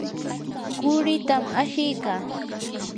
quritam ashikaa.